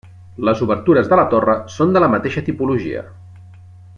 Les obertures de la torre són de la mateixa tipologia.